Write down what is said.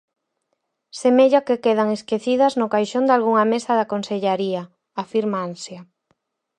"Semella que quedan esquecidas no caixón dalgunha mesa da Consellaría", afirma Ansia.